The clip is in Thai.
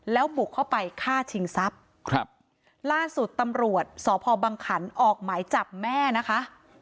แล้วบุกเข้าไปฆ่าชิงทรัพย์ครับล่าสุดตำรวจสพบังขันออกหมายจับแม่นะคะ